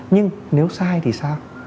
nhưng nếu sai thì sao